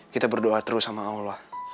kita berdoa terus sama allah